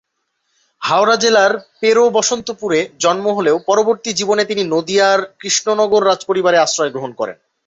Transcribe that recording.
হাওড়া জেলার পেড়ো-বসন্তপুরে জন্ম হলেও পরবর্তী জীবনে তিনি নদিয়ার কৃষ্ণনগর রাজপরিবারের আশ্রয় গ্রহণ করেন।